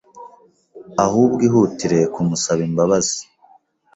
ahubwo ihutire kumusaba imbabazi.